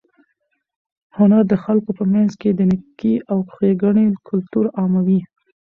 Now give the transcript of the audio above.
هنر د خلکو په منځ کې د نېکۍ او ښېګڼې کلتور عاموي.